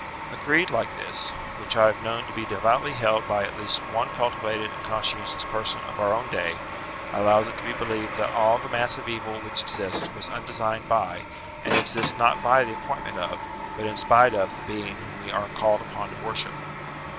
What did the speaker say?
A creed like this, which I have known to be devoutly held by at least one cultivated and conscientious person of our own day, allows it to be believed that all the mass of evil which exists was undesigned by, and exists not by the appointment of, but in spite of the Being whom we are called upon to worship.